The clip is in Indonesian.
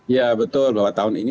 ya betul bahwa tahun ini